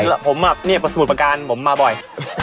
แล้วผมนี่ประสบุประการผมมาบ่อย